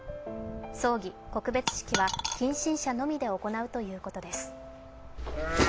葬儀、告別式は近親者のみで行うということです。